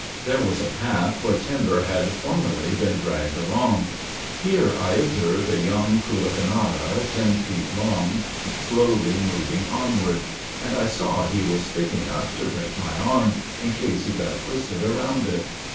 There was a path where timber had formerly been dragged along. Here I observed a young coulacanara, ten feet long, slowly moving onward; and I saw he was thick enough to break my arm, in case he got twisted around it.